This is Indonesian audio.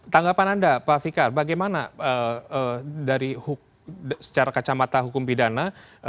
tanggapan anda pak fikar bagaimana dari secara kacamata hukum pidana